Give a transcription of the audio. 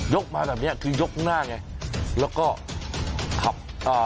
กมาแบบเนี้ยคือยกข้างหน้าไงแล้วก็ขับอ่า